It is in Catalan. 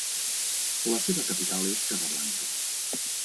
La seva capital és Casablanca.